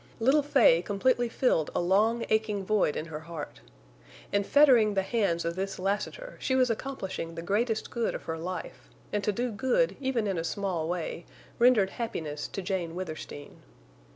Little Fay completely filled a long aching void in her heart. In fettering the hands of this Lassiter she was accomplishing the greatest good of her life, and to do good even in a small way rendered happiness to Jane Withersteen.